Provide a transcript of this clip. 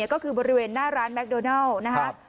ก็คือบริเวณหน้าร้านแมคโดนัลนะครับ